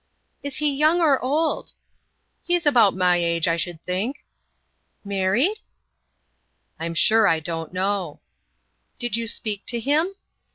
"Is he young or old?" "He's about my age, I should think." "Married?" "I'm sure I don't know." "Did you speak to him?"